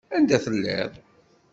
Anda telliḍ!